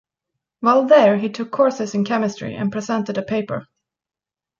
While there, he took courses in chemistry and presented a paper.